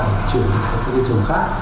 phải chuyển sang các cây trồng khác